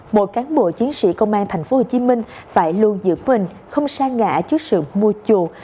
mỗi cán bộ chiến sĩ công an tp hcm phải luôn giữ mình không xa ngã trước sự mua chuột